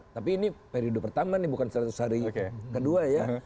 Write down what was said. tapi ini periode pertama nih bukan seratus hari kedua ya